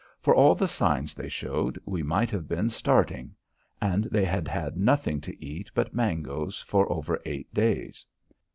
For all the signs they showed, we might have been starting. And they had had nothing to eat but mangoes for over eight days.